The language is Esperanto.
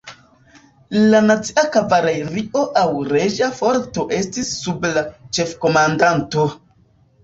La "Nacia Kavalerio" aŭ "Reĝa Forto" estis sub la ĉefkomandanto.